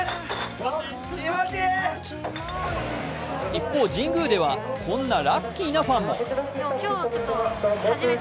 一方、神宮ではこんなラッキーなファンも。